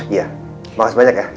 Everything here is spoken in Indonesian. terima kasih banyak ya